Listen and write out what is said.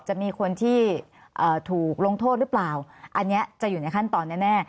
จะมีคนที่ถูกลงโทษหรือเปล่าอันนี้จะอยู่ในขั้นตอนแน่